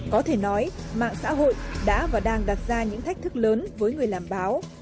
có thể nói mạng xã hội đã và đang đặt ra những thách thức lớn với người làm báo